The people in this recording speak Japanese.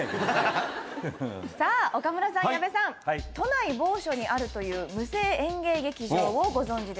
さあ岡村さん矢部さん。都内某所にあるという無声演芸劇場をご存じでしょうか？